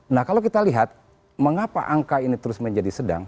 nah kalau kita lihat mengapa angka ini terus menjadi sedang